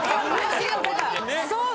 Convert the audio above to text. そう！